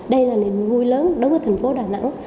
đây là niềm vui lớn đối với thành phố đà nẵng